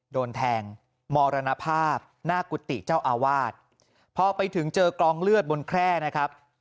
โดนแทงมรณภาพหน้ากุฏิเจ้าอาวาสพอไปถึงเจอกองเลือดบนแคร่นะครับ